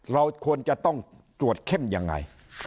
เราควรจะต้องตรวจเข้มยังไง